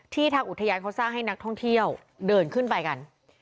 ทางอุทยานเขาสร้างให้นักท่องเที่ยวเดินขึ้นไปกัน